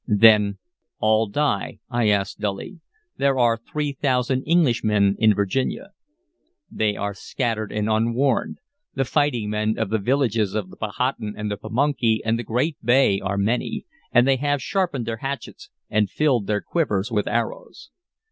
Then, "All die?" I asked dully. "There are three thousand Englishmen in Virginia." "They are scattered and unwarned. The fighting men of the villages of the Powhatan and the Pamunkey and the great bay are many, and they have sharpened their hatchets and filled their quivers with arrows."